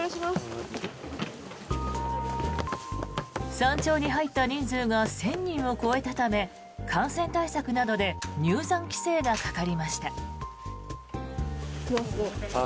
山頂に入った人数が１０００人を超えたため感染対策などで入山規制がかかりました。